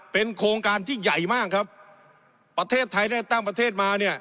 เป็นโครงการที่ใหญ่มากครับประเทศไทยได้ตั้งประเทศมาเนี่ย